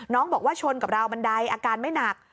บอกว่าชนกับราวบันไดอาการไม่หนัก